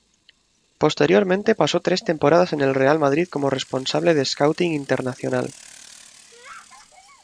Posteriormente pasó tres temporadas en el Real Madrid como responsable de scouting internacional.